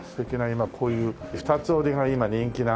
今こういう二つ折りが今人気なんですよ。